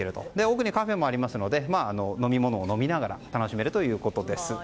奥にカフェもありますので飲み物を飲みながら楽しめるということいです。